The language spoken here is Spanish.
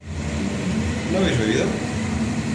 ¿no habéis bebido?